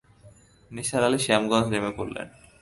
নিসার আলি শ্যামগঞ্জ নেমে পড়লেন।